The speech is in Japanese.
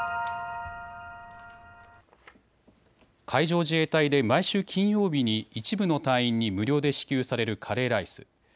海上自衛隊で毎週金曜日に一部の隊員に無料で支給されるカレーライス。